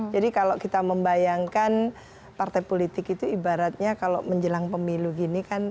jadi kalau kita membayangkan partai politik itu ibaratnya kalau menjelang pemilu gini kan